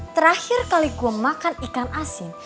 terakhir kali gue makan ikan asin